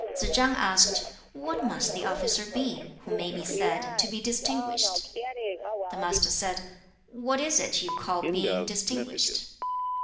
Tsze chang asked, 'What must the officer be, who may be said to be distinguished?' 2. The Master said, 'What is it you call being distinguished?'